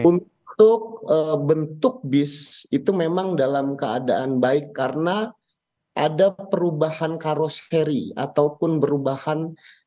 untuk bentuk bis itu memang dalam keadaan baik karena ada perubahan karos ferry ataupun perubahan